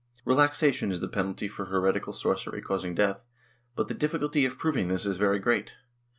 Relaxation is the penalty for heretical sorcery causing death, but the difficulty of proving this is very great.